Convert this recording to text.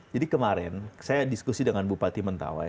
jadi kemarin saya diskusi dengan bupati mentawai